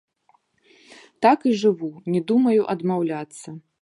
Так і жыву, не думаю адмаўляцца.